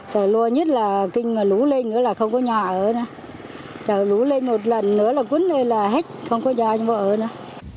trận lũ nhất là kinh mà lũ lên nữa là không có nhà ở nữa trận lũ lên một lần nữa là cuốn lên là hết không có nhà cho bà ở nữa